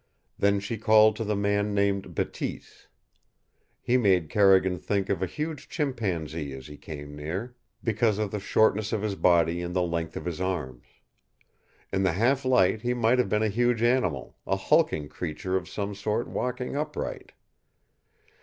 Then she called to the man named Bateese. He made Carrigan think of a huge chimpanzee as he came near, because of the shortness of his body and the length of his arms. In the half light he might have been a huge animal, a hulking creature of some sort walking upright.